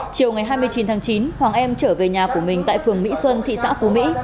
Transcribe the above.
chiều ngày hai mươi chín tháng chín hoàng em trở về nhà của mình tại phường mỹ xuân thị xã phú mỹ